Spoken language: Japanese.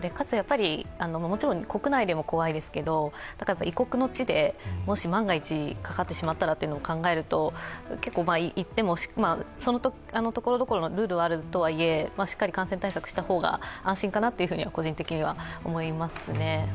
もちろん国内でも怖いですけど異国の地で、もし万が一かかってしまったらと考えると、行ってもそのところどころのルールがあるとはいえしっかり感染対策した方が安心かなと、個人的には思いますね。